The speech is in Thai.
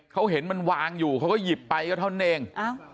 เขาเห็นมันวางอยู่เขาก็หยิบไปก็เท่านั้นเอง